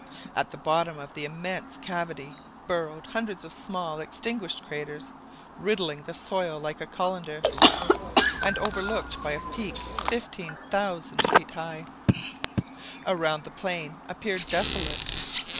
At the bottom of the immense cavity burrowed hundreds of small extinguished craters, riddling the soil like a colander, and overlooked by a peak 15,000 feet high. Around the plain appeared desolate.